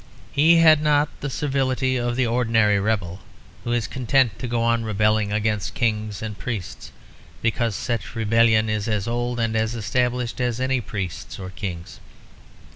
He had not the servility of the ordinary rebel, who is content to go on rebelling against kings and priests, because such rebellion is as old and as established as any priests or kings.